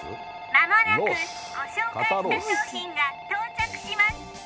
間もなくご紹介した商品が到着します